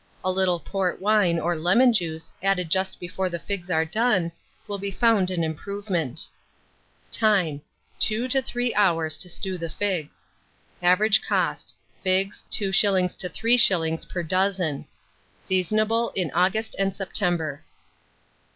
A little port wine, or lemon juice, added just before the figs are done, will be found an improvement. Time. 2 to 3 hours to stew the figs. Average cost, figs, 2s. to 3s. per dozen. Seasonable in August and September.